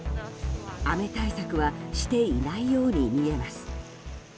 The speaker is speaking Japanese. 雨対策はしていないように見えます。